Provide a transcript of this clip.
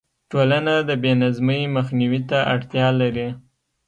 ټولنې د بې نظمۍ مخنیوي ته اړتیا لري.